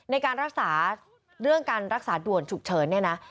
ในการรักษาเรื่องการรักษาด่วนฉุกเฉินเนี่ยนะ